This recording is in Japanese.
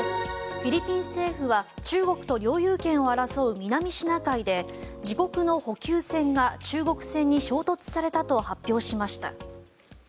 フィリピン政府は中国と領有権を争う南シナ海で自国の補給船が中国船に衝突されたと発表しました。